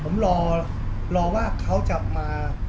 ผมผมผมรอรอว่าเขาจะมา